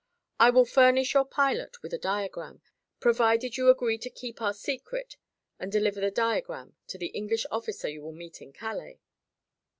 I will furnish your pilot with a diagram, provided you agree to keep our secret and deliver the diagram to the English officer you will meet at Calais."